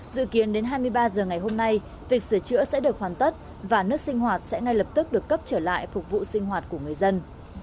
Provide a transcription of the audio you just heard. dự kiến đến hai mươi ba h ngày hôm nay việc sửa chữa sẽ được hoàn tất và nước sinh hoạt sẽ ngay lập tức được cấp trở lại phục vụ sinh hoạt của người dân